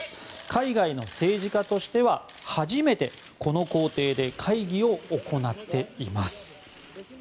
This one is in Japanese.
海外の政治家としては初めてこの公邸で会議を行っています。